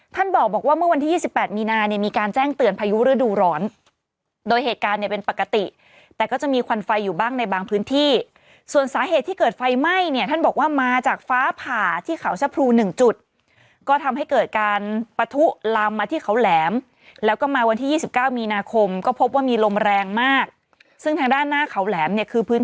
ท่านบอกว่าเมื่อวันที่๒๘มีนาเนี่ยมีการแจ้งเตือนพายุฤดูร้อนโดยเหตุการณ์เนี่ยเป็นปกติแต่ก็จะมีควันไฟอยู่บ้างในบางพื้นที่ส่วนสาเหตุที่เกิดไฟไหม้เนี่ยท่านบอกว่ามาจากฟ้าผ่าที่เขาชะพรูหนึ่งจุดก็ทำให้เกิดการปะทุลามมาที่เขาแหลมแล้วก็มาวันที่๒๙มีนาคมก็พบว่ามีลมแรงมากซึ่งทางด้านหน้าเขาแหลมเนี่ยคือพื้น